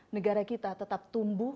negara kita tetap tumbuh